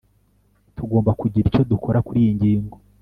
tugomba kugira icyo dukora kuriyi ngingo